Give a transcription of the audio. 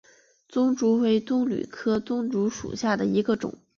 棕竹为棕榈科棕竹属下的一个种。